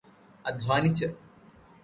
അദ്ധ്വാനിച്ചു്.